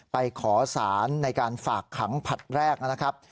ไปขอสารในการฝากขังผลัดแรกนะครับ